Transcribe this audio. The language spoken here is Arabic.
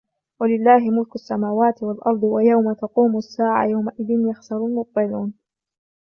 وَلِلَّهِ مُلْكُ السَّمَاوَاتِ وَالْأَرْضِ وَيَوْمَ تَقُومُ السَّاعَةُ يَوْمَئِذٍ يَخْسَرُ الْمُبْطِلُونَ